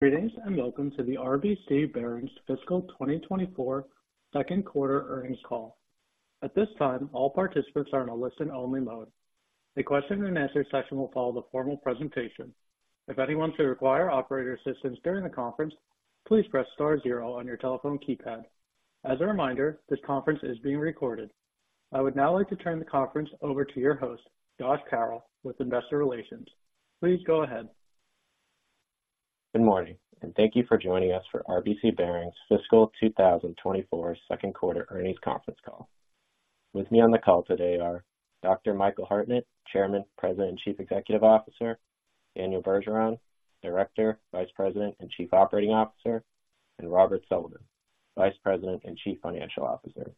Greetings, and welcome to the RBC Bearings Fiscal 2024 second quarter earnings call. At this time, all participants are in a listen-only mode. A question and answer session will follow the formal presentation. If anyone should require operator assistance during the conference, please press star zero on your telephone keypad. As a reminder, this conference is being recorded. I would now like to turn the conference over to your host, Josh Carroll, with Investor Relations. Please go ahead. Good morning, and thank you for joining us for RBC Bearings Fiscal 2024 second quarter earnings conference call. With me on the call today are Dr. Michael Hartnett, Chairman, President, and Chief Executive Officer, Daniel Bergeron, Director, Vice President, and Chief Operating Officer, and Robert Sullivan, Vice President and Chief Financial Officer.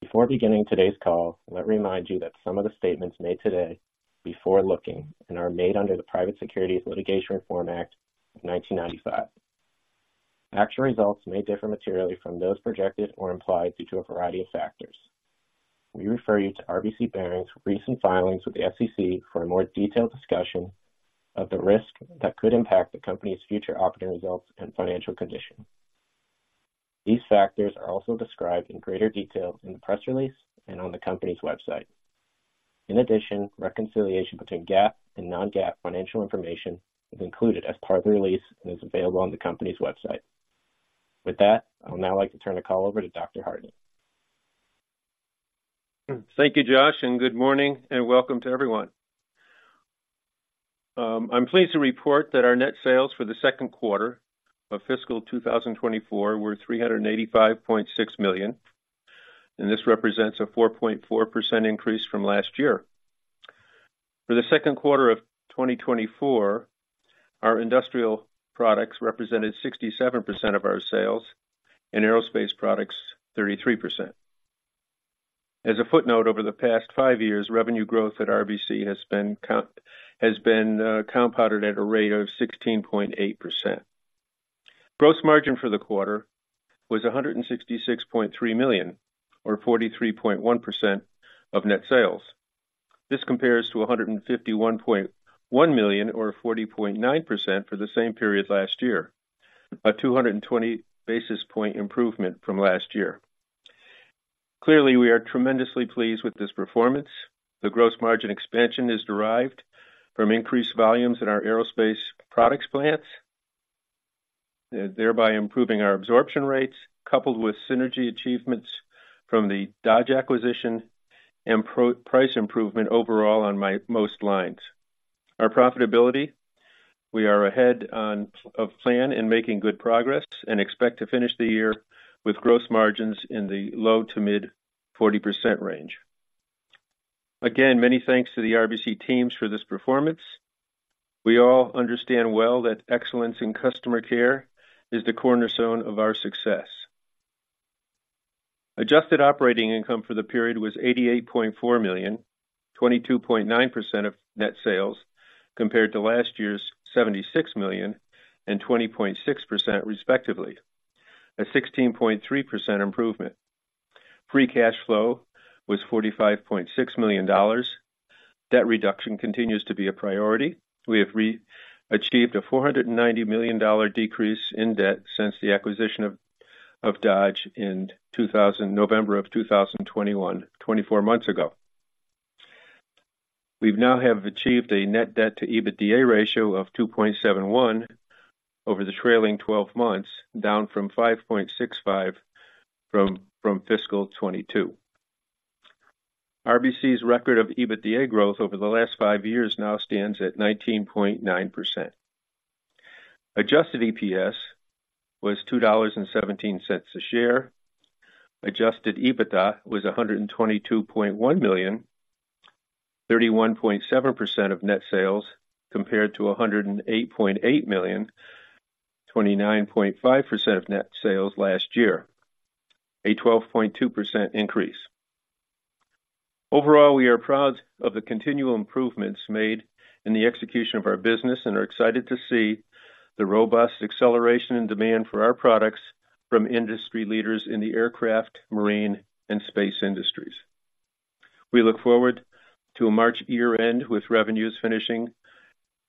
Before beginning today's call, let me remind you that some of the statements made today are forward-looking and are made under the Private Securities Litigation Reform Act of 1995. Actual results may differ materially from those projected or implied due to a variety of factors. We refer you to RBC Bearings' recent filings with the SEC for a more detailed discussion of the risk that could impact the company's future operating results and financial condition. These factors are also described in greater detail in the press release and on the company's website. In addition, reconciliation between GAAP and non-GAAP financial information is included as part of the release and is available on the company's website. With that, I would now like to turn the call over to Dr. Hartnett. Thank you, Josh, and good morning and welcome to everyone. I'm pleased to report that our net sales for the second quarter of fiscal 2024 were $385.6 million, and this represents a 4.4% increase from last year. For the second quarter of 2024, our industrial products represented 67% of our sales, and aerospace products, 33%. As a footnote, over the past five years, revenue growth at RBC has been compounded at a rate of 16.8%. Gross margin for the quarter was $166.3 million or 43.1% of net sales. This compares to $151.1 million or 40.9% for the same period last year, a 220 basis point improvement from last year. Clearly, we are tremendously pleased with this performance. The gross margin expansion is derived from increased volumes in our aerospace products plants, thereby improving our absorption rates, coupled with synergy achievements from the Dodge acquisition and price improvement overall on most lines. Our profitability, we are ahead of plan in making good progress and expect to finish the year with gross margins in the low- to mid-40% range. Again, many thanks to the RBC teams for this performance. We all understand well that excellence in customer care is the cornerstone of our success. Adjusted operating income for the period was $88.4 million, 22.9% of net sales, compared to last year's $76 million and 20.6% respectively, a 16.3% improvement. Free cash flow was $45.6 million. Debt reduction continues to be a priority. We have re-achieved a $490 million decrease in debt since the acquisition of Dodge in November of 2021, 24 months ago. We've now have achieved a net debt to EBITDA ratio of 2.71 over the trailing twelve months, down from 5.65 from fiscal 2022. RBC's record of EBITDA growth over the last five years now stands at 19.9%. Adjusted EPS was $2.17 a share. Adjusted EBITDA was $122.1 million, 31.7% of net sales, compared to $108.8 million, 29.5% of net sales last year, a 12.2% increase. Overall, we are proud of the continual improvements made in the execution of our business and are excited to see the robust acceleration and demand for our products from industry leaders in the aircraft, marine, and space industries. We look forward to a March year-end, with revenues finishing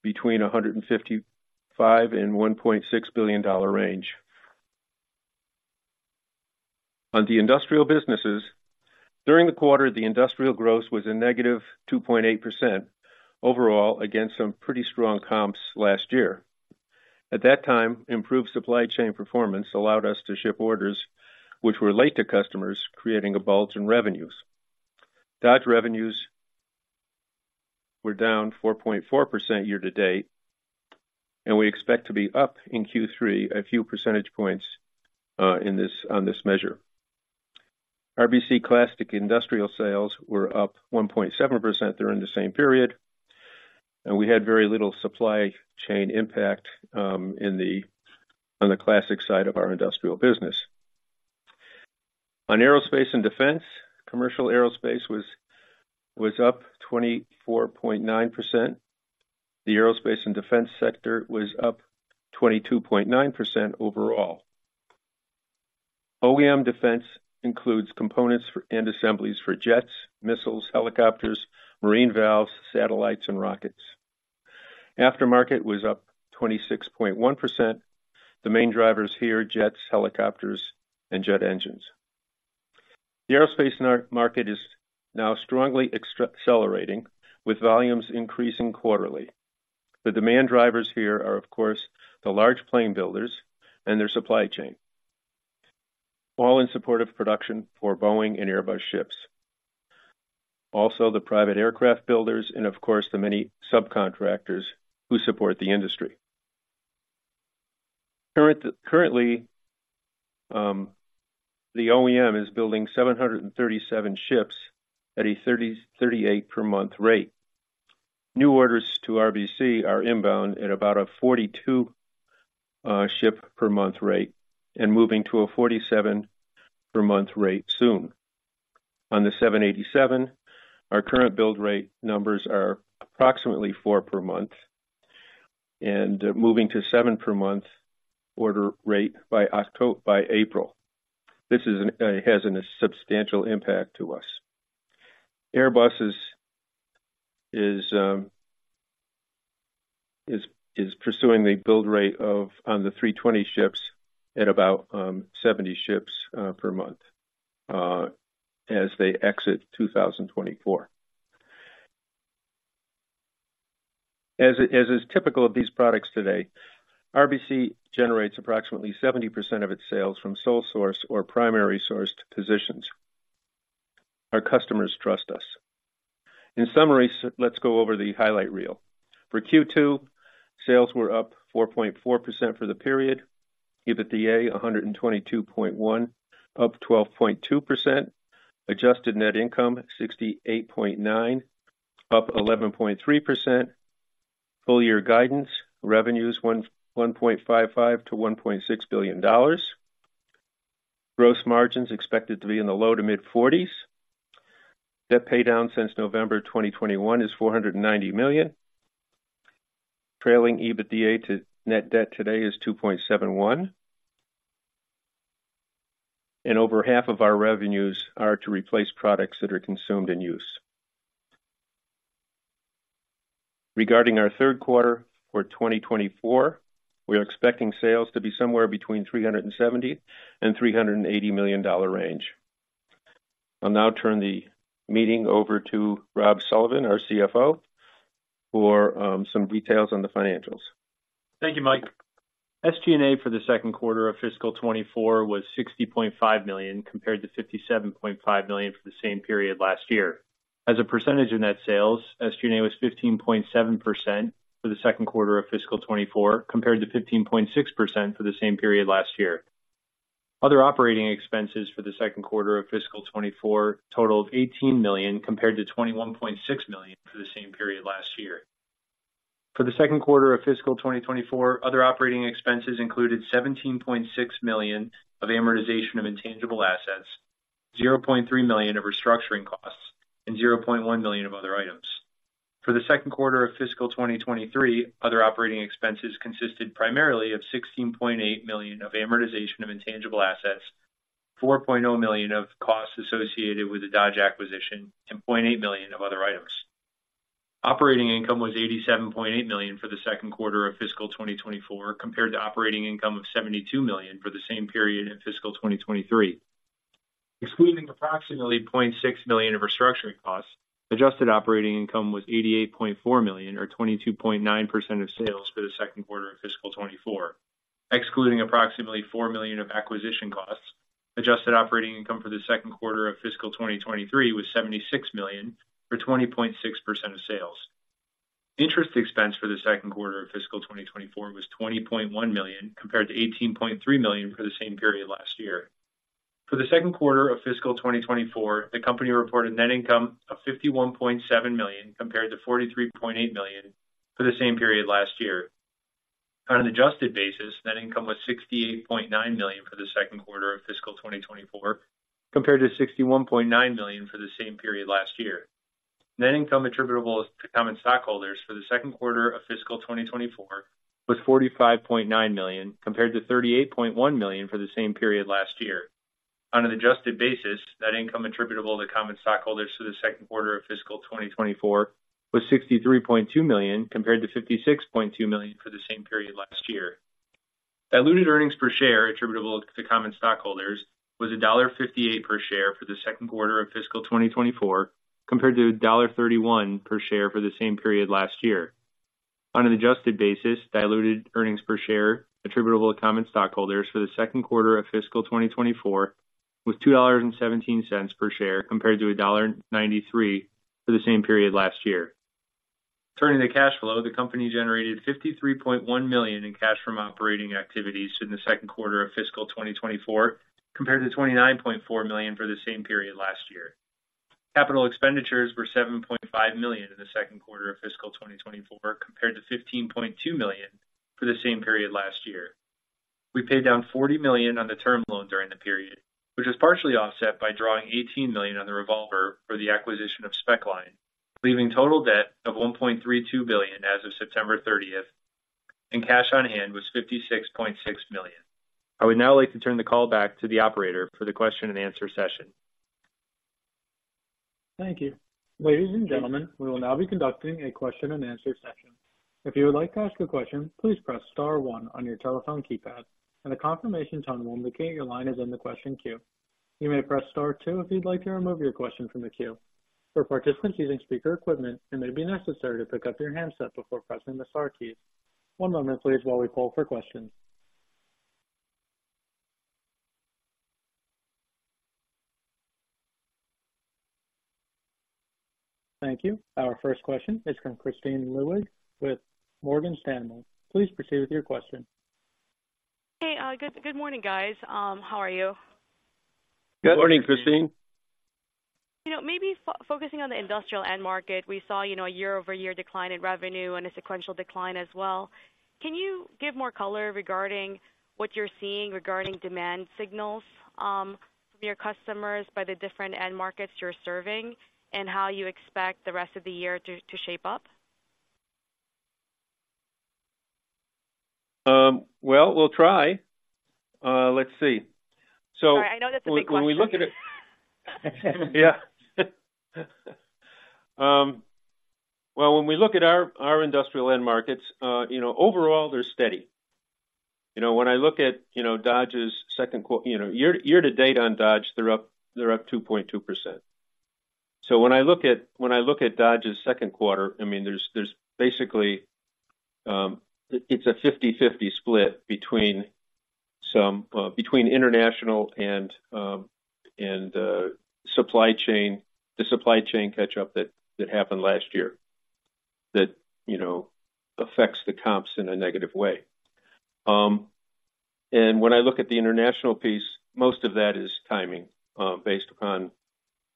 between $155 million and $1.6 billion range. On the industrial businesses, during the quarter, the industrial growth was -2.8% overall against some pretty strong comps last year. At that time, improved supply chain performance allowed us to ship orders which were late to customers, creating a bulge in revenues. Dodge revenues were down 4.4% year-to-date, and we expect to be up in Q3 a few percentage points, in this, on this measure. RBC classic industrial sales were up 1.7% during the same period, and we had very little supply chain impact on the classic side of our industrial business. On aerospace and defense, commercial aerospace was up 24.9%. The aerospace and defense sector was up 22.9% overall. OEM defense includes components for, and assemblies for jets, missiles, helicopters, marine valves, satellites, and rockets. Aftermarket was up 26.1%. The main drivers here are jets, helicopters, and jet engines. The aerospace market is now strongly accelerating, with volumes increasing quarterly. The demand drivers here are, of course, the large plane builders and their supply chain, all in support of production for Boeing and Airbus ships. Also, the private aircraft builders and of course, the many subcontractors who support the industry. Currently, the OEM is building 737 ships at a 30-38 per month rate. New orders to RBC are inbound at about a 42 ship per month rate and moving to a 47 per month rate soon. On the 787, our current build rate numbers are approximately four per month and moving to seven per month order rate by April. This has a substantial impact to us. Airbus is pursuing the build rate on the 320 ships at about 70 ships per month as they exit 2024. As is typical of these products today, RBC generates approximately 70% of its sales from sole source or primary sourced positions. Our customers trust us. In summary, let's go over the highlight reel. For Q2, sales were up 4.4% for the period. EBITDA, $122.1 million, up 12.2%. Adjusted net income, $68.9 million, up 11.3%. Full year guidance, revenues $1.55 billion-$1.6 billion. Gross margins expected to be in the low to mid-forties. Debt paydown since November 2021 is $490 million. Trailing EBITDA to net debt today is 2.71. And over half of our revenues are to replace products that are consumed in use. Regarding our third quarter for 2024, we are expecting sales to be somewhere between $370 million and $380 million range. I'll now turn the meeting over to Rob Sullivan, our CFO, for some details on the financials. Thank you, Mike. SG&A for the second quarter of fiscal 2024 was $60.5 million, compared to $57.5 million for the same period last year. As a percentage of net sales, SG&A was 15.7% for the second quarter of fiscal 2024, compared to 15.6% for the same period last year. Other operating expenses for the second quarter of fiscal 2024 totaled $18 million, compared to $21.6 million for the same period last year. For the second quarter of fiscal 2024, other operating expenses included $17.6 million of amortization of intangible assets, $0.3 million of restructuring costs, and $0.1 million of other items. For the second quarter of fiscal 2023, other operating expenses consisted primarily of $16.8 million of amortization of intangible assets, $4.0 million of costs associated with the Dodge acquisition, and $0.8 million of other items. Operating income was $87.8 million for the second quarter of fiscal 2024, compared to operating income of $72 million for the same period in fiscal 2023. Excluding approximately $0.6 million of restructuring costs, adjusted operating income was $88.4 million or 22.9% of sales for the second quarter of fiscal 2024. Excluding approximately $4 million of acquisition costs, adjusted operating income for the second quarter of fiscal 2023 was $76 million, or 20.6% of sales. Interest expense for the second quarter of fiscal 2024 was $20.1 million, compared to $18.3 million for the same period last year. For the second quarter of fiscal 2024, the company reported net income of $51.7 million, compared to $43.8 million for the same period last year. On an adjusted basis, net income was $68.9 million for the second quarter of fiscal 2024, compared to $61.9 million for the same period last year. Net income attributable to common stockholders for the second quarter of fiscal 2024 was $45.9 million, compared to $38.1 million for the same period last year. On an adjusted basis, net income attributable to common stockholders for the second quarter of fiscal 2024 was $63.2 million, compared to $56.2 million for the same period last year. Diluted earnings per share attributable to common stockholders was $1.58 per share for the second quarter of fiscal 2024, compared to $1.31 per share for the same period last year. On an adjusted basis, diluted earnings per share attributable to common stockholders for the second quarter of fiscal 2024 was $2.17 per share, compared to $1.93 for the same period last year. Turning to cash flow, the company generated $53.1 million in cash from operating activities in the second quarter of fiscal 2024, compared to $29.4 million for the same period last year. Capital expenditures were $7.5 million in the second quarter of fiscal 2024, compared to $15.2 million for the same period last year. We paid down $40 million on the term loan during the period, which was partially offset by drawing $18 million on the revolver for the acquisition of Specline, leaving total debt of $1.32 billion as of September thirtieth. And cash on hand was $56.6 million. I would now like to turn the call back to the operator for the question and answer session. Thank you. Ladies and gentlemen, we will now be conducting a question-and-answer session. If you would like to ask a question, please press star one on your telephone keypad, and a confirmation tone will indicate your line is in the question queue. You may press star two if you'd like to remove your question from the queue. For participants using speaker equipment, it may be necessary to pick up your handset before pressing the star key. One moment, please, while we poll for questions. Thank you. Our first question is from Kristine Liwag with Morgan Stanley. Please proceed with your question. Hey, good, good morning, guys. How are you? Good morning, Kristine. You know, maybe focusing on the industrial end market, we saw, you know, a year-over-year decline in revenue and a sequential decline as well. Can you give more color regarding what you're seeing regarding demand signals from your customers by the different end markets you're serving, and how you expect the rest of the year to shape up? Well, we'll try. Let's see. I know that's a big question. Yeah. Well, when we look at our, our industrial end markets, you know, overall they're steady. You know, when I look at, you know, Dodge's second quarter. You know, year-to-date on Dodge, they're up, they're up 2.2%. So when I look at, when I look at Dodge's second quarter, I mean, there's, there's basically, it's a 50/50 split between some, between international and, and, supply chain, the supply chain catch-up that, that happened last year, that, you know, affects the comps in a negative way. And when I look at the international piece, most of that is timing, based upon,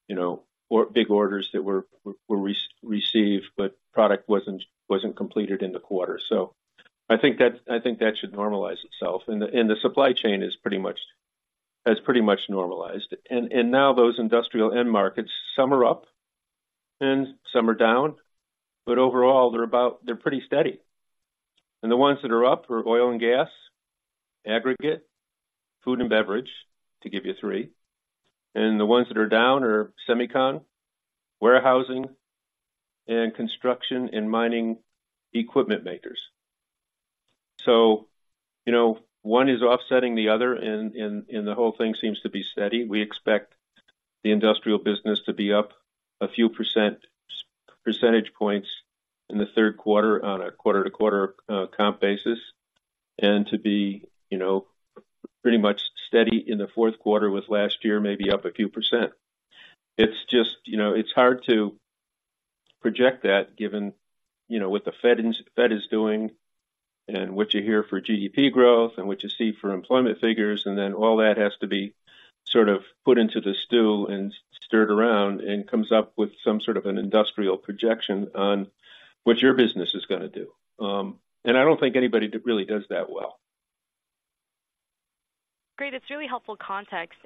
you know, or big orders that were, were, received, but product wasn't, wasn't completed in the quarter. So I think that, I think that should normalize itself, and the, and the supply chain is pretty much. Has pretty much normalized. And now those industrial end markets, some are up and some are down, but overall, they're about, they're pretty steady. And the ones that are up are oil and gas, aggregate, food and beverage, to give you three. And the ones that are down are semicon, warehousing, and construction and mining equipment makers. So, you know, one is offsetting the other and the whole thing seems to be steady. We expect the industrial business to be up a few percent, percentage points in the third quarter on a quarter-to-quarter comp basis, and to be, you know, pretty much steady in the fourth quarter with last year, maybe up a few percent. It's just, you know, it's hard to project that given, you know, what the Fed is doing, and what you hear for GDP growth, and what you see for employment figures, and then all that has to be sort of put into the stew and stirred around and comes up with some sort of an industrial projection on what your business is going to do. And I don't think anybody really does that well. Great. It's really helpful context.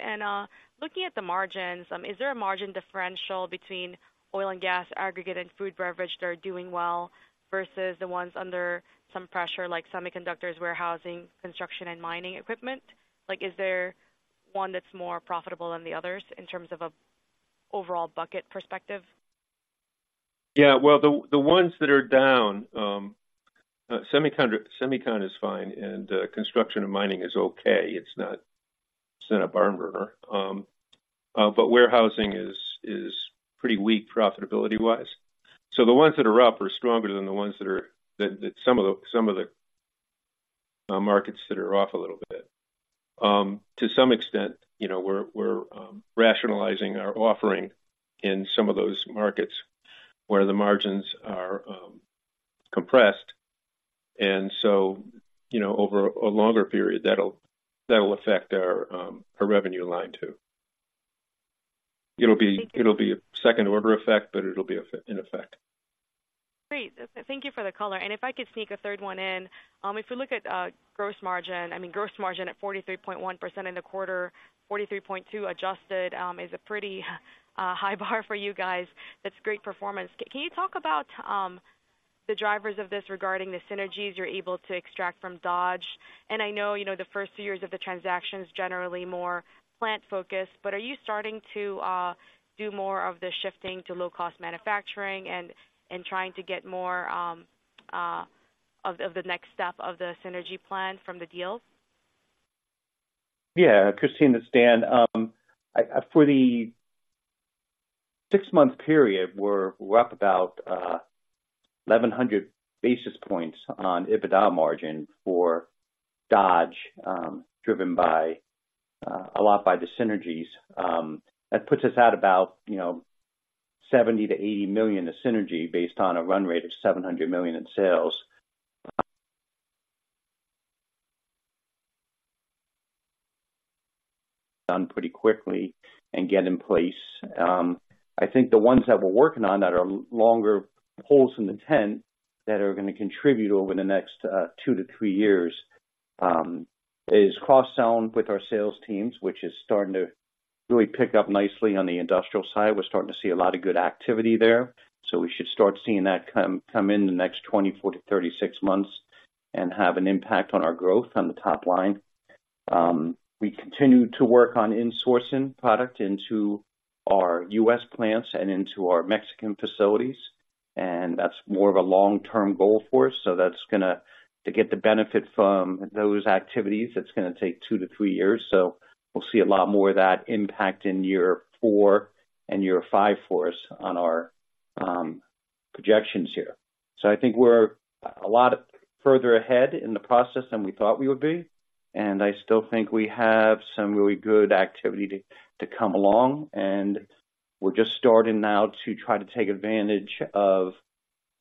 Looking at the margins, is there a margin differential between oil and gas, aggregate, and food beverage that are doing well versus the ones under some pressure, like semiconductors, warehousing, construction, and mining equipment? Like, is there one that's more profitable than the others in terms of a overall bucket perspective? Yeah. Well, the ones that are down, semicon is fine, and construction and mining is okay. It's not a barn burner. But warehousing is pretty weak profitability-wise. So the ones that are up are stronger than the ones that are, some of the markets that are off a little bit. To some extent, you know, we're rationalizing our offering in some of those markets where the margins are compressed, and so, you know, over a longer period, that'll, that will affect our revenue line, too. It'll be. Thank you. It'll be a second-order effect, but it'll be in effect. Great. Thank you for the color. If I could sneak a third one in. If we look at gross margin, I mean, gross margin at 43.1% in the quarter, 43.2% adjusted, is a pretty high bar for you guys. That's great performance. Can you talk about the drivers of this regarding the synergies you're able to extract from Dodge? And I know, you know, the first few years of the transaction is generally more plant-focused, but are you starting to do more of the shifting to low-cost manufacturing and trying to get more of the next step of the synergy plan from the deals? Yeah, Christine, it's Dan. For the six-month period, we're up about 1,100 basis points on EBITDA margin for Dodge, driven by a lot by the synergies. That puts us at about, you know, $70 million-$80 million of synergy based on a run rate of $700 million in sales. Done pretty quickly and get in place. I think the ones that we're working on that are longer poles in the tent that are going to contribute over the next two to three years is cross-sell with our sales teams, which is starting to really pick up nicely on the industrial side. We're starting to see a lot of good activity there, so we should start seeing that come in the next 24-36 months and have an impact on our growth on the top line. We continue to work on insourcing product into our U.S. plants and into our Mexican facilities, and that's more of a long-term goal for us. So that's gonna to get the benefit from those activities, it's gonna take two to three years. So we'll see a lot more of that impact in year four and year five for us on our projections here. So I think we're a lot further ahead in the process than we thought we would be, and I still think we have some really good activity to come along, and we're just starting now to try to take advantage of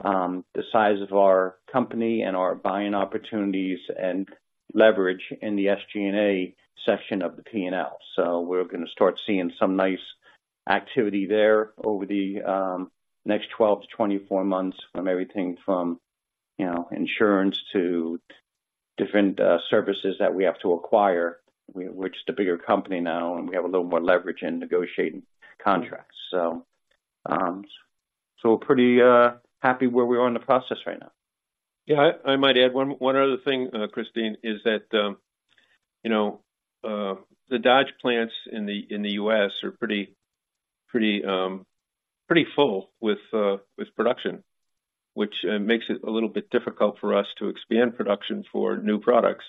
the size of our company and our buying opportunities and leverage in the SG&A section of the P&L. So we're gonna start seeing some nice activity there over the next 12-24 months, from everything from, you know, insurance to different services that we have to acquire. We're just a bigger company now, and we have a little more leverage in negotiating contracts. So we're pretty happy where we are in the process right now. Yeah, I might add one other thing, Kristine, is that, you know, the Dodge plants in the U.S. are pretty full with production, which makes it a little bit difficult for us to expand production for new products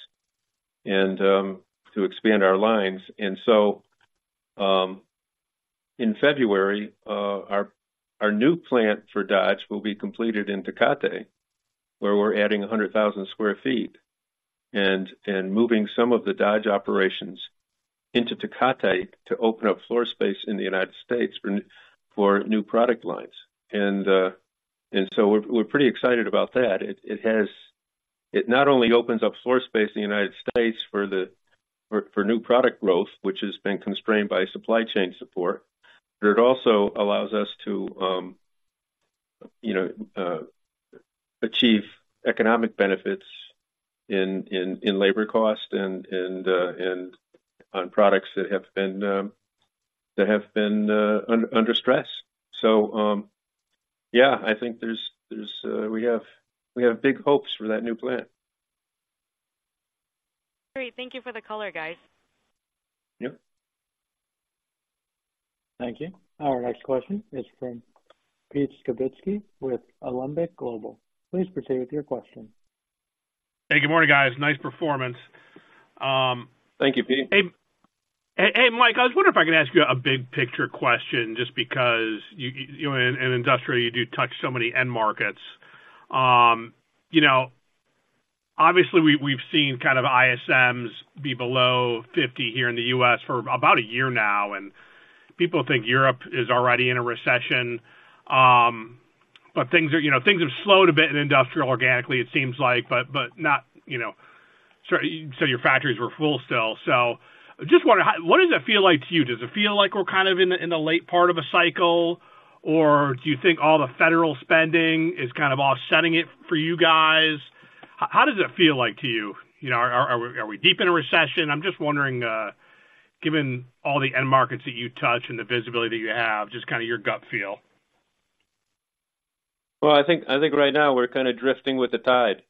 and to expand our lines. And so, in February, our new plant for Dodge will be completed in Tecate, where we're adding 100,000 sq ft and moving some of the Dodge operations into Tecate to open up floor space in the United States for new product lines. And so we're pretty excited about that. It not only opens up floor space in the United States for new product growth, which has been constrained by supply chain support, but it also allows us to, you know, achieve economic benefits in labor cost and on products that have been under stress. So, yeah, I think we have big hopes for that new plant. Great. Thank you for the color, guys. Yep. Thank you. Our next question is from Pete Skibitski with Alembic Global. Please proceed with your question. Hey, good morning, guys. Nice performance. Thank you, Pete. Hey, hey, Mike, I was wondering if I could ask you a big picture question, just because you, you know, in industrial, you do touch so many end markets. You know, obviously we've seen kind of ISMs be below 50 here in the U.S. for about a year now, and people think Europe is already in a recession. But things are, you know, things have slowed a bit in industrial, organically, it seems like, but, but not, you know. So your factories were full still. So just wondering, what does it feel like to you? Does it feel like we're kind of in the late part of a cycle, or do you think all the federal spending is kind of offsetting it for you guys? How does it feel like to you? You know, are we deep in a recession? I'm just wondering, given all the end markets that you touch and the visibility that you have, just kind of your gut feel. Well, I think right now we're kind of drifting with the tide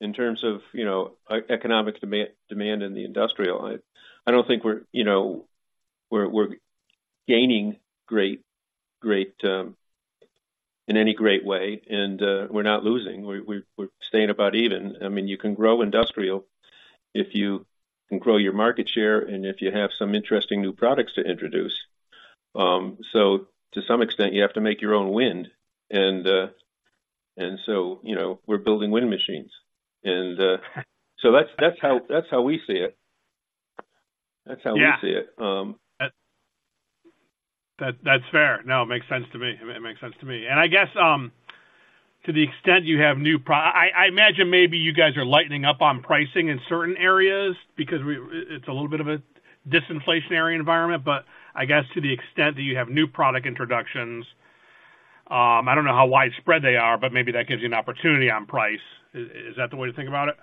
in terms of, you know, economic demand in the industrial. I don't think we're, you know, gaining ground in any great way, and we're not losing. We're staying about even. I mean, you can grow industrial if you can grow your market share and if you have some interesting new products to introduce. So to some extent, you have to make your own wind. And so, you know, we're building wind machines. So that's how we see it. That's how we see it. Yeah. Um. That, that's fair. No, it makes sense to me. It makes sense to me. And I guess, to the extent you have, I imagine maybe you guys are lightening up on pricing in certain areas because it's a little bit of a disinflationary environment, but I guess to the extent that you have new product introductions, I don't know how widespread they are, but maybe that gives you an opportunity on price. Is that the way to think about it?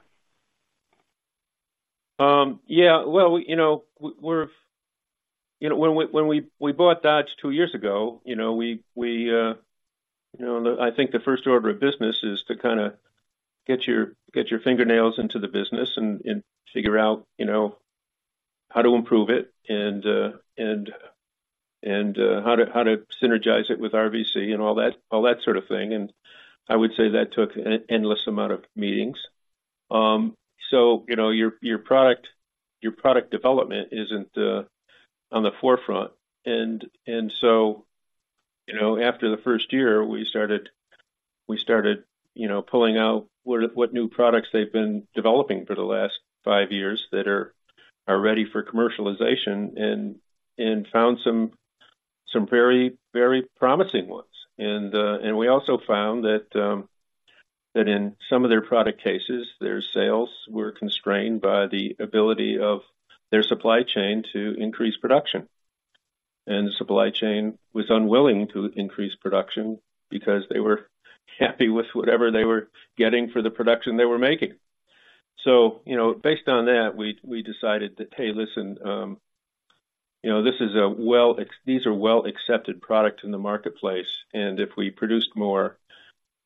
Yeah, well, you know, we're... You know, when we bought Dodge 2 years ago, you know, we you know, I think the first order of business is to kind of get your fingernails into the business and figure out, you know, how to improve it and how to synergize it with RBC and all that, all that sort of thing. And I would say that took an endless amount of meetings. So, you know, your product development isn't on the forefront. And so, you know, after the first year, we started you know, pulling out what new products they've been developing for the last 5 years that are ready for commercialization and found some very promising ones. We also found that in some of their product cases, their sales were constrained by the ability of their supply chain to increase production. And the supply chain was unwilling to increase production because they were happy with whatever they were getting for the production they were making. So, you know, based on that, we decided that, hey, listen, you know, these are well-accepted products in the marketplace, and if we produce more,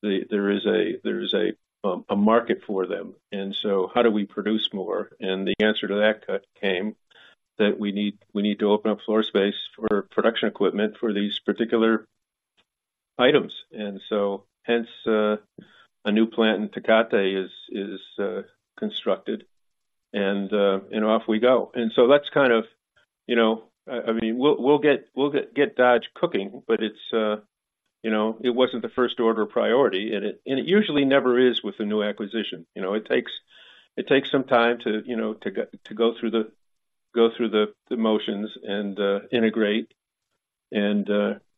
there is a market for them. And so how do we produce more? And the answer to that came that we need to open up floor space for production equipment for these particular items. And so hence, a new plant in Tecate is constructed, and off we go. And so that's kind of, you know, I mean, we'll get DODGE cooking, but it's, you know, it wasn't the first order of priority, and it usually never is with a new acquisition. You know, it takes some time to, you know, to go through the motions and,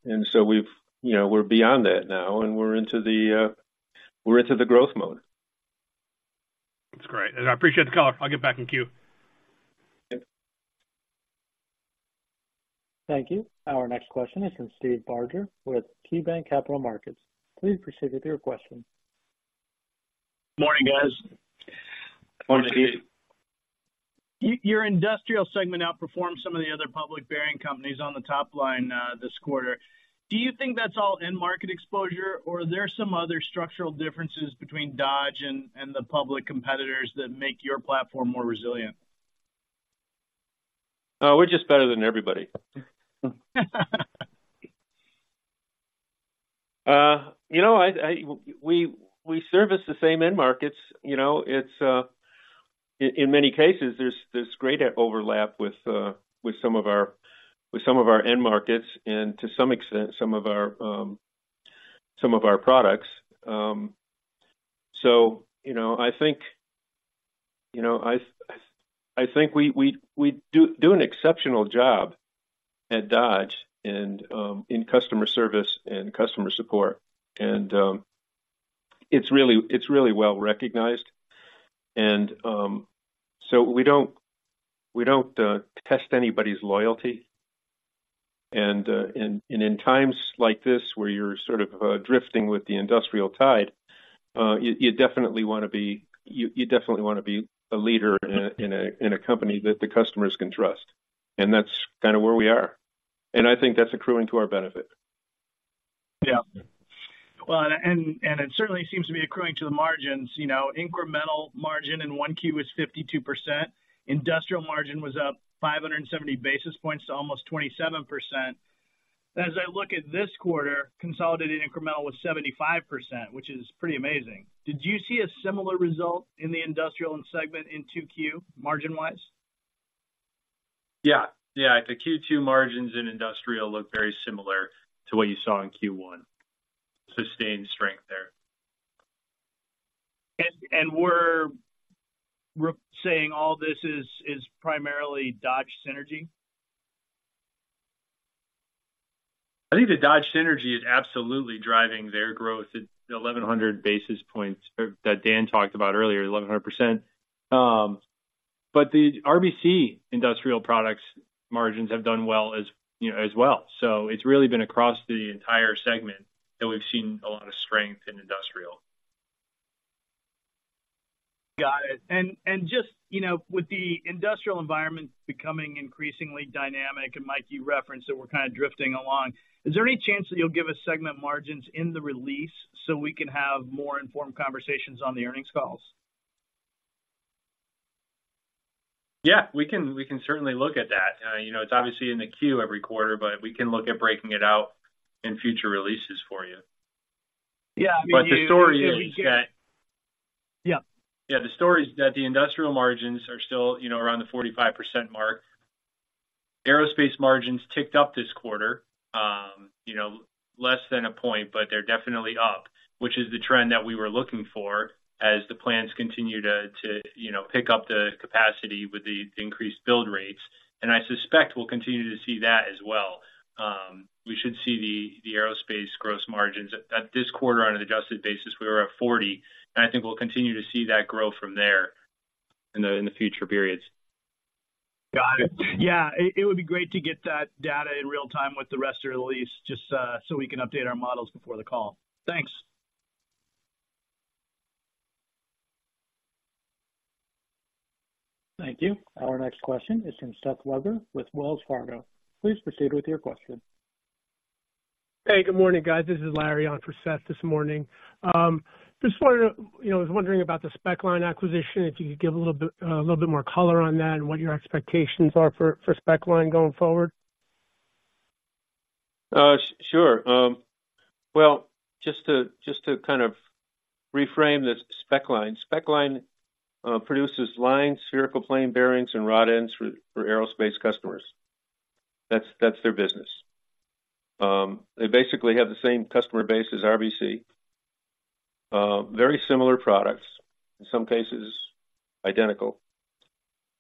and so we've, you know, we're beyond that now, and we're into the growth mode. That's great. I appreciate the call. I'll get back in queue. Yep. Thank you. Our next question is from Steve Barger with KeyBanc Capital Markets. Please proceed with your question. Morning, guys. Morning, Steve. Your industrial segment outperformed some of the other public bearing companies on the top line this quarter. Do you think that's all end market exposure, or are there some other structural differences between DODGE and the public competitors that make your platform more resilient? We're just better than everybody. You know, we service the same end markets, you know, it's in many cases, there's great overlap with some of our end markets and to some extent, some of our products. So, you know, I think we do an exceptional job at Dodge and in customer service and customer support, and it's really well recognized. So we don't test anybody's loyalty. And in times like this, where you're sort of drifting with the industrial tide, you definitely want to be a leader in a company that the customers can trust. That's kind of where we are. I think that's accruing to our benefit. Yeah. Well, and it certainly seems to be accruing to the margins. You know, incremental margin in 1Q is 52%. Industrial margin was up 570 basis points to almost 27%. As I look at this quarter, consolidated incremental was 75%, which is pretty amazing. Did you see a similar result in the industrial segment in 2Q, margin-wise? Yeah. Yeah, the Q2 margins in industrial look very similar to what you saw in Q1. Sustained strength there. We're saying all this is primarily Dodge synergy? I think the DODGE synergy is absolutely driving their growth. It's the 1,100 basis points that Dan talked about earlier, 1,100%. But the RBC Industrial products margins have done well as, you know, as well. So it's really been across the entire segment that we've seen a lot of strength in industrial. Got it. And just, you know, with the industrial environment becoming increasingly dynamic, and Mike, you referenced that we're kind of drifting along, is there any chance that you'll give us segment margins in the release so we can have more informed conversations on the earnings calls? Yeah, we can, we can certainly look at that. You know, it's obviously in the queue every quarter, but we can look at breaking it out in future releases for you. Yeah, I mean, you. But the story is that. Yeah. Yeah, the story is that the industrial margins are still, you know, around the 45% mark. Aerospace margins ticked up this quarter, you know, less than a point, but they're definitely up, which is the trend that we were looking for as the plants continue to pick up the capacity with the increased build rates. And I suspect we'll continue to see that as well. We should see the aerospace gross margins at this quarter, on an adjusted basis, we were at 40%, and I think we'll continue to see that grow from there in the future periods. Got it. Yeah, it, it would be great to get that data in real time with the rest of the release, just, so we can update our models before the call. Thanks. Thank you. Our next question is from Seth Weber with Wells Fargo. Please proceed with your question. Hey, good morning, guys. This is Larry on for Seth this morning. Just wanted to—you know, I was wondering about the Specline acquisition, if you could give a little bit, a little bit more color on that and what your expectations are for Specline going forward. Sure. Well, just to kind of reframe Specline. Specline produces line, spherical plain bearings, and rod ends for aerospace customers. That's their business. They basically have the same customer base as RBC. Very similar products, in some cases, identical.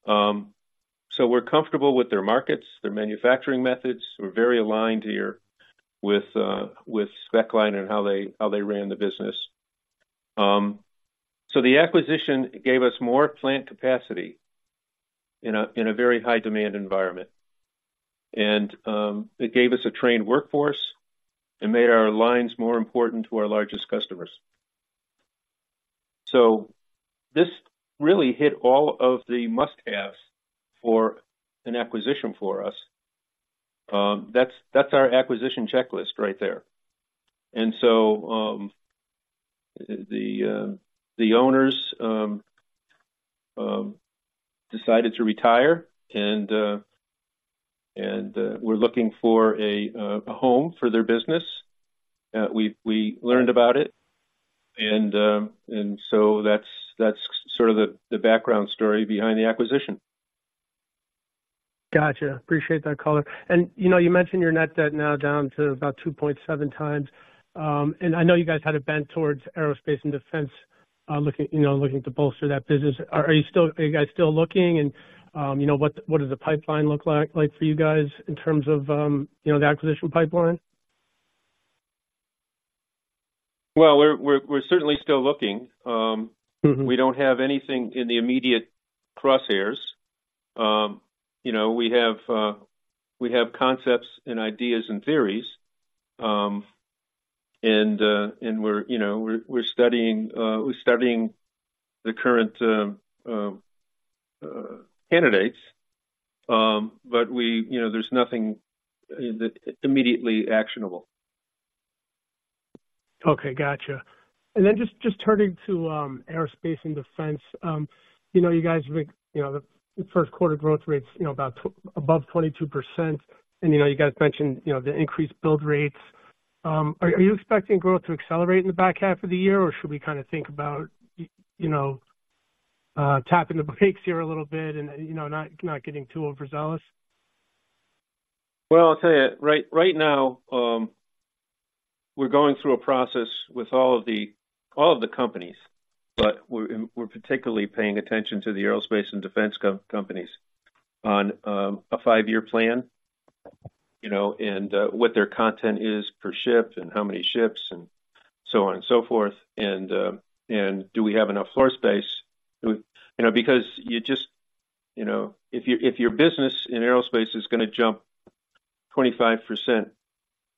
So we're comfortable with their markets, their manufacturing methods. We're very aligned here with Specline and how they ran the business. So the acquisition gave us more plant capacity in a very high-demand environment. And it gave us a trained workforce and made our lines more important to our largest customers. So this really hit all of the must-haves for an acquisition for us. That's our acquisition checklist right there. And so, the owners decided to retire and were looking for a home for their business. We learned about it, and so that's sort of the background story behind the acquisition. Gotcha. Appreciate that color. And, you know, you mentioned your net debt now down to about 2.7x. And I know you guys had it bent towards aerospace and defense, looking, you know, looking to bolster that business. Are you guys still looking? And, you know, what does the pipeline look like, like for you guys in terms of, you know, the acquisition pipeline? Well, we're certainly still looking. Mm-hmm. We don't have anything in the immediate crosshairs. You know, we have concepts and ideas and theories, and we're studying the current candidates, but you know, there's nothing that immediately actionable. Okay, gotcha. And then just turning to aerospace and defense. You know, you guys, you know, the first quarter growth rates, you know, about above 22%. And, you know, you guys mentioned, you know, the increased build rates. Are you expecting growth to accelerate in the back half of the year, or should we kind of think about, you know, tapping the brakes here a little bit and, you know, not getting too overzealous? Well, I'll tell you, right, right now, we're going through a process with all of the, all of the companies, but we're, we're particularly paying attention to the aerospace and defense companies on a five-year plan, you know, and what their content is per ship and how many ships and so on and so forth. And do we have enough floor space? You know, because you just... You know, if your business in aerospace is gonna jump 25%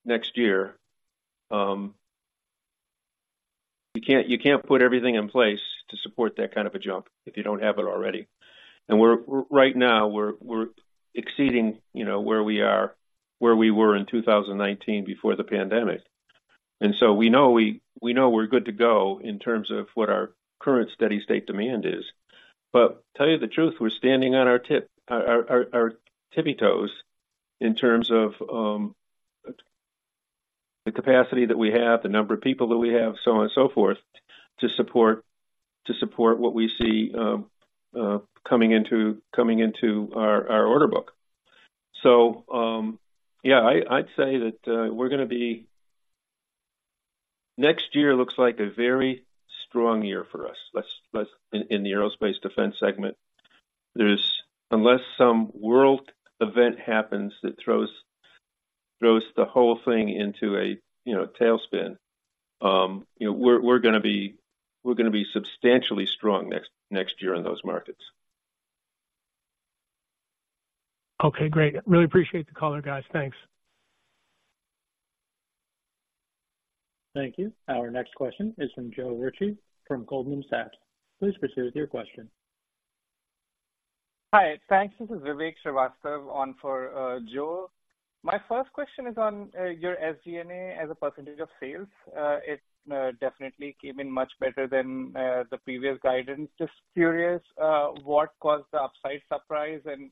next year, you can't, you can't put everything in place to support that kind of a jump if you don't have it already. And right now, we're, we're exceeding, you know, where we were in 2019 before the pandemic. And so we know we're good to go in terms of what our current steady state demand is. But to tell you the truth, we're standing on our tippy toes in terms of the capacity that we have, the number of people that we have, so on and so forth, to support what we see coming into our order book. So, yeah, I'd say that we're gonna be. Next year looks like a very strong year for us. In the aerospace defense segment, there's, unless some world event happens that throws the whole thing into a tailspin, you know, we're gonna be substantially strong next year in those markets. Okay, great. Really appreciate the color, guys. Thanks. Thank you. Our next question is from Joe Ritchie from Goldman Sachs. Please proceed with your question. Hi. Thanks. This is Vivek Srivastava on for, Joe. My first question is on, your SG&A as a percentage of sales. It definitely came in much better than, the previous guidance. Just curious, what caused the upside surprise, and,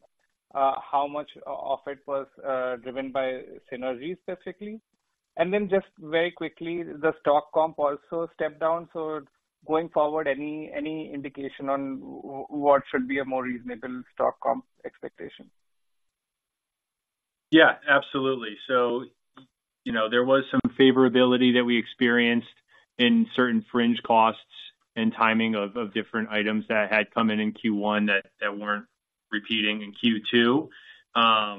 how much of it was, driven by synergies specifically? And then just very quickly, the stock comp also stepped down. So going forward, any indication on what should be a more reasonable stock comp expectation? Yeah, absolutely. So, you know, there was some favorability that we experienced in certain fringe costs and timing of different items that had come in in Q1 that weren't repeating in Q2. So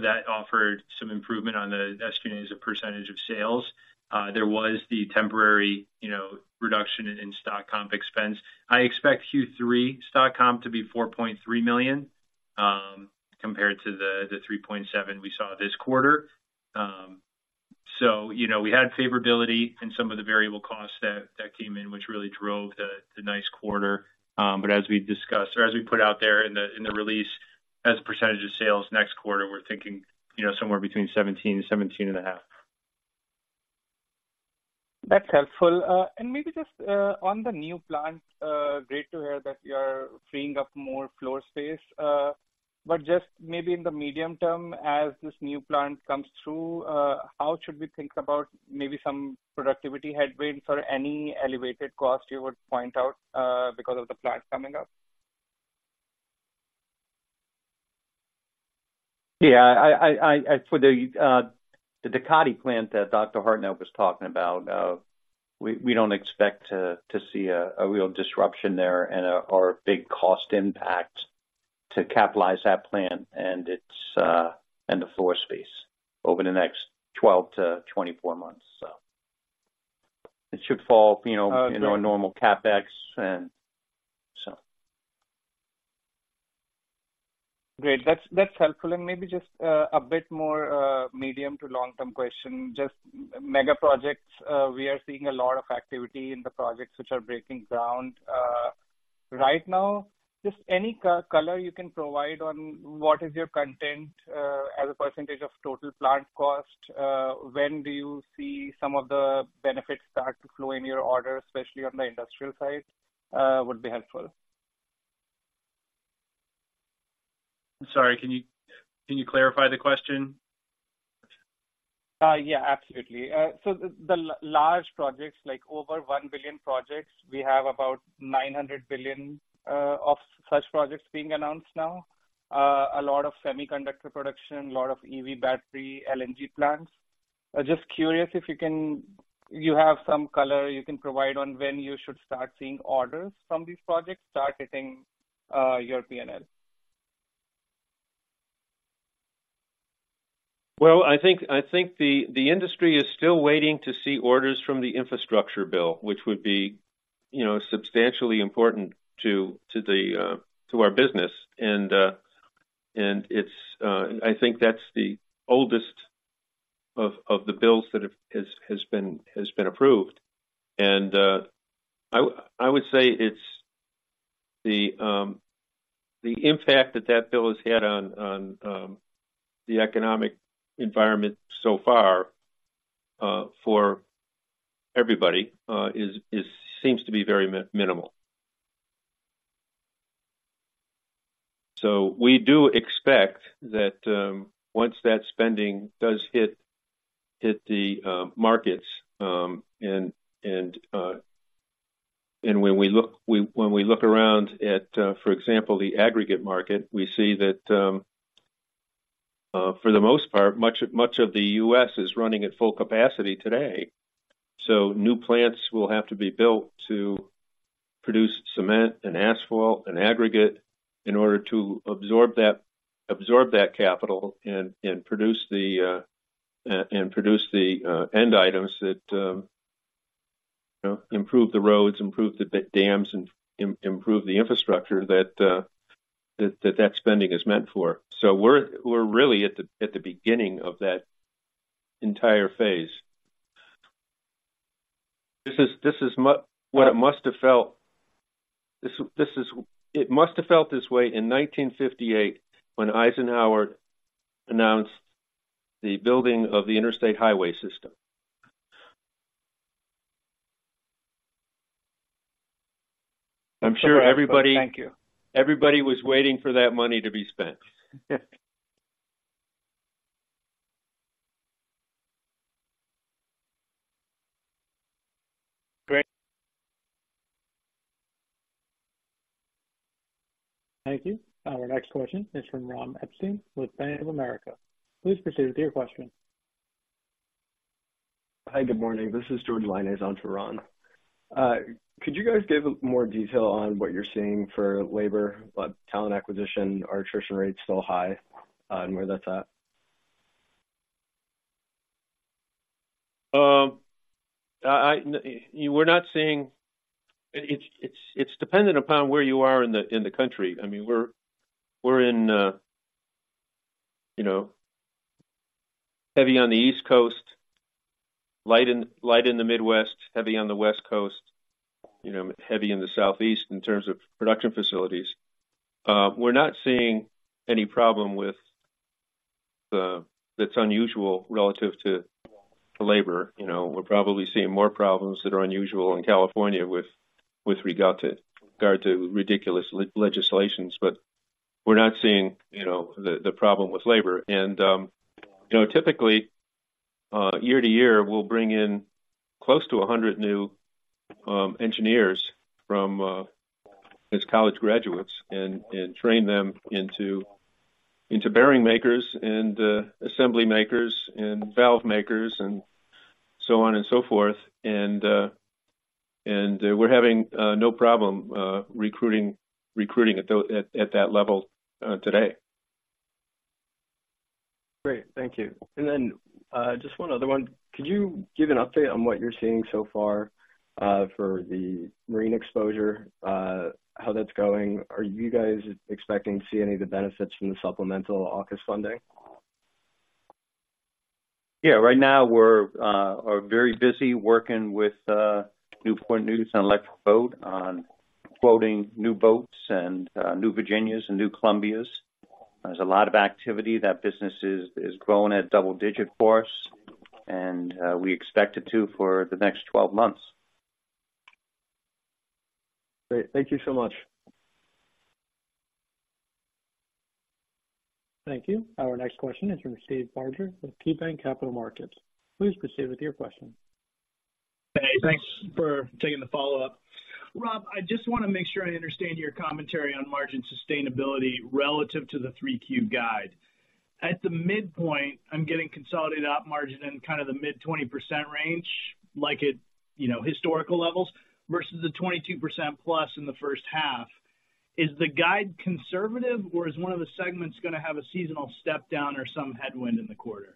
that offered some improvement on the SG&A as a percentage of sales. There was the temporary, you know, reduction in stock comp expense. I expect Q3 stock comp to be $4.3 million, compared to the three point seven we saw this quarter. So, you know, we had favorability in some of the variable costs that came in, which really drove the nice quarter. But as we discussed or as we put out there in the release, as a percentage of sales, next quarter, we're thinking, you know, somewhere between 17%-7.5%. That's helpful. And maybe just on the new plant, great to hear that you're freeing up more floor space. But just maybe in the medium term, as this new plant comes through, how should we think about maybe some productivity headwinds or any elevated cost you would point out, because of the plant coming up? Yeah. For the Tecate plant that Dr. Hartnett was talking about, we don't expect to see a real disruption there and or a big cost impact. To capitalize that plant and its, and the floor space over the next 12-24 months. So it should fall, you know. Okay. You know, normal CapEx, and so. Great. That's, that's helpful. And maybe just a bit more medium to long-term question. Just megaprojects, we are seeing a lot of activity in the projects which are breaking ground right now. Just any color you can provide on what is your content as a percentage of total plant cost, when do you see some of the benefits start to flow in your order, especially on the industrial side, would be helpful. Sorry, can you, can you clarify the question? Yeah, absolutely. So the large projects, like over $1 billion projects, we have about $900 billion of such projects being announced now. A lot of semiconductor production, a lot of EV battery, LNG plants. I'm just curious if you can -- you have some color you can provide on when you should start seeing orders from these projects start hitting your P&L. Well, I think the industry is still waiting to see orders from the infrastructure bill, which would be, you know, substantially important to our business. And it's... I think that's the oldest of the bills that has been approved. And I would say it's the impact that that bill has had on the economic environment so far for everybody is -- seems to be very minimal. So we do expect that once that spending does hit the markets, and when we look, when we look around at, for example, the aggregate market, we see that for the most part, much of the U.S. is running at full capacity today. So new plants will have to be built to produce cement and asphalt and aggregate in order to absorb that, absorb that capital and, and produce the, and produce the, end items that, you know, improve the roads, improve the, the dams, and improve the infrastructure that, that, that spending is meant for. So we're, we're really at the, at the beginning of that entire phase. This is, this is what it must have felt... This, this is, it must have felt this way in 1958 when Eisenhower announced the building of the Interstate Highway System. I'm sure everybody. Thank you. Everybody was waiting for that money to be spent. Great. Thank you. Our next question is from Ron Epstein with Bank of America. Please proceed with your question. Hi, good morning. This is Jord Lyonnais on for Ron. Could you guys give more detail on what you're seeing for labor, like, talent acquisition, are attrition rates still high, and where that's at? We're not seeing... It's dependent upon where you are in the country. I mean, we're in, you know, heavy on the East Coast, light in the Midwest, heavy on the West Coast, you know, heavy in the Southeast in terms of production facilities. We're not seeing any problem with the, that's unusual relative to labor. You know, we're probably seeing more problems that are unusual in California with regard to ridiculous legislations, but we're not seeing, you know, the problem with labor. And, you know, typically, year to year, we'll bring in close to 100 new engineers from as college graduates and train them into bearing makers and assembly makers and valve makers and so on and so forth. And, we're having no problem recruiting at that level today. Great. Thank you. And then, just one other one. Could you give an update on what you're seeing so far, for the marine exposure, how that's going? Are you guys expecting to see any of the benefits from the supplemental August funding? Yeah. Right now, we're very busy working with Newport News and Electric Boat on quoting new boats and new Virginias and new Columbias. There's a lot of activity. That business is growing at double digits, of course, and we expect it to for the next twelve months. Great. Thank you so much. Thank you. Our next question is from Steve Barger with KeyBanc Capital Markets. Please proceed with your question. Hey, thanks for taking the follow-up. Rob, I just want to make sure I understand your commentary on margin sustainability relative to the 3Q guide.... at the midpoint, I'm getting consolidated op margin in kind of the mid-20% range, like at, you know, historical levels, versus the 22% plus in the first half. Is the guide conservative, or is one of the segments gonna have a seasonal step down or some headwind in the quarter?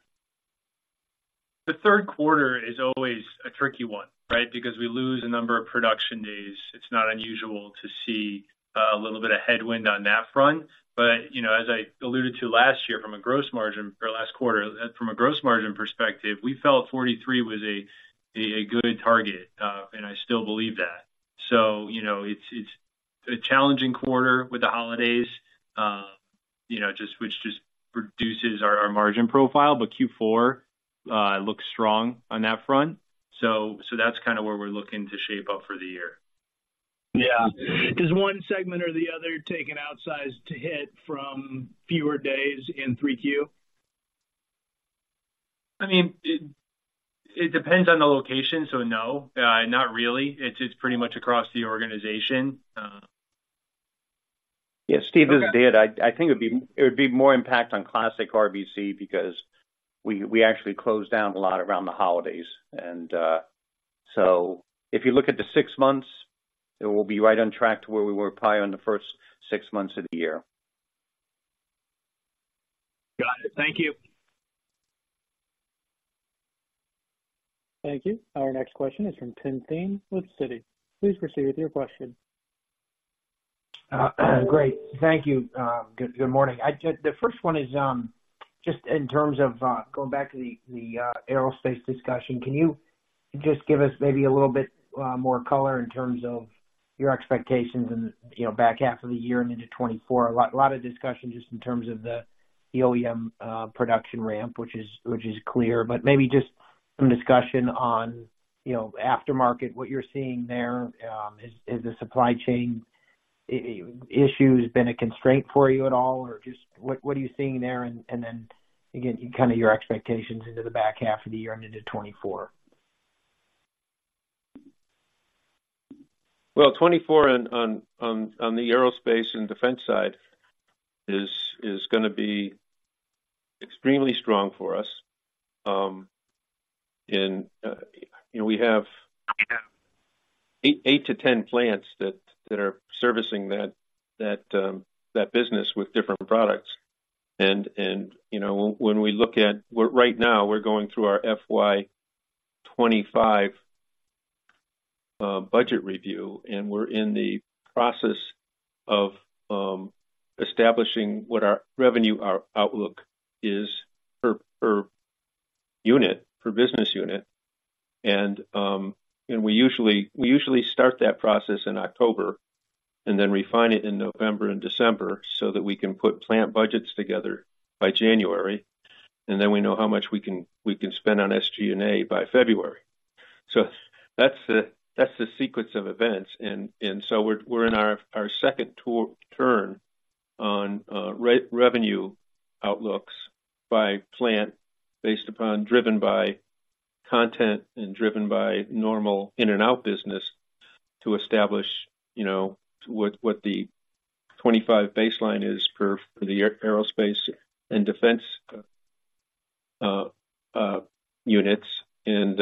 The third quarter is always a tricky one, right? Because we lose a number of production days. It's not unusual to see a little bit of headwind on that front. But, you know, as I alluded to last year, from a gross margin—or last quarter, from a gross margin perspective, we felt 43 was a good target, and I still believe that. So, you know, it's a challenging quarter with the holidays, you know, just reduces our margin profile. But Q4 looks strong on that front. So, that's kind of where we're looking to shape up for the year. Yeah. Does one segment or the other take an outsized hit from fewer days in 3Q? I mean, it depends on the location, so no, not really. It's pretty much across the organization. Yeah, Steve, this is Dan. I think it would be more impact on classic RBC because we actually closed down a lot around the holidays. So if you look at the six months, it will be right on track to where we were probably on the first six months of the year. Got it. Thank you. Thank you. Our next question is from Tim Thein with Citi. Please proceed with your question. Great. Thank you. Good morning. I just... The first one is just in terms of going back to the aerospace discussion, can you just give us maybe a little bit more color in terms of your expectations in, you know, back half of the year and into 2024? A lot of discussion just in terms of the OEM production ramp, which is clear, but maybe just some discussion on, you know, aftermarket, what you're seeing there. Is the supply chain issue has been a constraint for you at all, or just what are you seeing there? And then, again, kind of your expectations into the back half of the year and into 2024. Well, 2024 on the aerospace and defense side is gonna be extremely strong for us. You know, we have eight to 10 plants that are servicing that business with different products. And you know, when we look at... We're right now, we're going through our FY 2025 budget review, and we're in the process of establishing what our revenue, our outlook is per unit, per business unit. And we usually start that process in October and then refine it in November and December so that we can put plant budgets together by January, and then we know how much we can spend on SG&A by February. So that's the sequence of events. And so we're in our second turn on revenue outlooks by plant based upon driven by content and driven by normal in-and-out business to establish, you know, what the 2025 baseline is for the aerospace and defense units. And,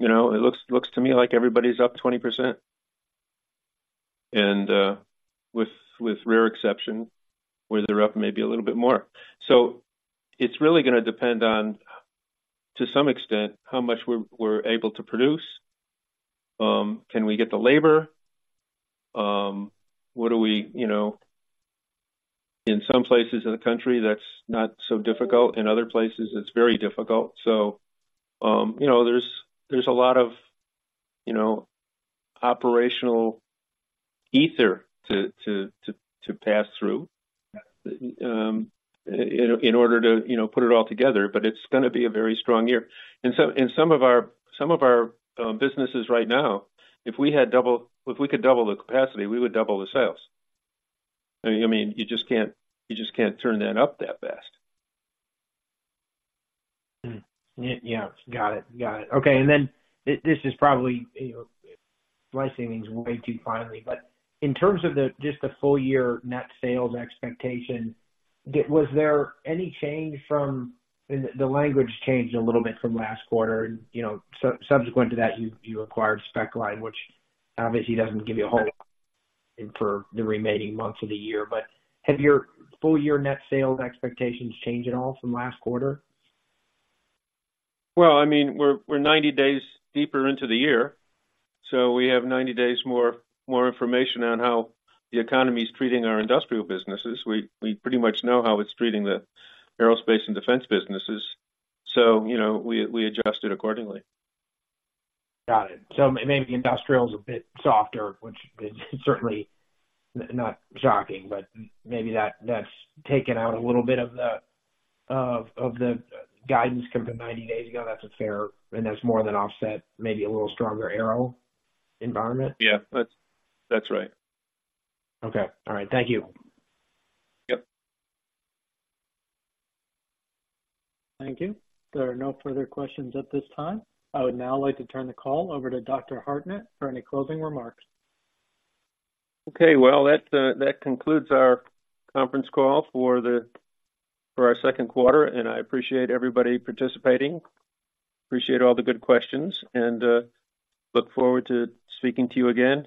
you know, it looks to me like everybody's up 20%, and with rare exception, where they're up maybe a little bit more. So it's really gonna depend on, to some extent, how much we're able to produce. Can we get the labor? You know, in some places in the country, that's not so difficult. In other places, it's very difficult. So, you know, there's a lot of, you know, operational ether to pass through, in order to, you know, put it all together, but it's gonna be a very strong year. And some of our businesses right now, if we could double the capacity, we would double the sales. I mean, you just can't, you just can't turn that up that fast. Hmm. Yeah. Got it. Got it. Okay, and then this is probably, you know, slicing things way too finely, but in terms of the, just the full year net sales expectation, was there any change from last quarter? The language changed a little bit from last quarter, and, you know, subsequent to that, you acquired Specline, which obviously doesn't give you a whole for the remaining months of the year. But have your full year net sales expectations changed at all from last quarter? Well, I mean, we're 90 days deeper into the year, so we have 90 days more information on how the economy is treating our industrial businesses. We pretty much know how it's treating the aerospace and defense businesses, so, you know, we adjust it accordingly. Got it. So maybe industrial is a bit softer, which is certainly not shocking, but maybe that's taken out a little bit of the guidance compared to 90 days ago. That's a fair, and that's more than offset, maybe a little stronger aero environment? Yeah, that's, that's right. Okay. All right. Thank you. Yep. Thank you. There are no further questions at this time. I would now like to turn the call over to Dr. Hartnett for any closing remarks. Okay, well, that, that concludes our conference call for the, for our second quarter, and I appreciate everybody participating. Appreciate all the good questions, and, look forward to speaking to you again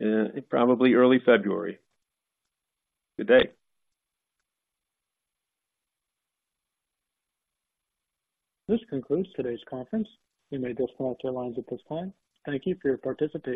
in probably early February. Good day. This concludes today's conference. You may disconnect your lines at this time. Thank you for your participation.